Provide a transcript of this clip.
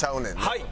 はい。